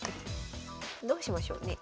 どうしましょうね。